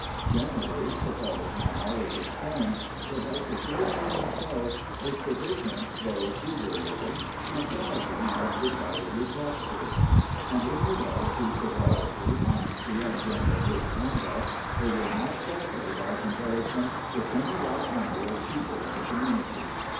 Generally, so far as my knowl 150 SKETCHES OF SLAVE LIFE. edge extends, they have secured for themselves a sufficient though frugal living, and some of them have decidedly prospered. And in regard to sobri ety, honesty, and general good conduct, they will not suffer by comparison with any like number of people in the community.